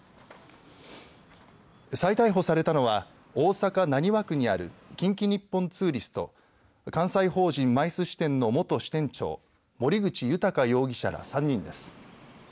再逮捕されたのは大阪浪速区にある近畿日本ツーリストと関西法人ＭＩＣＥ支店の元支店長森口裕容疑者ら３人です。